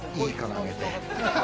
あげて。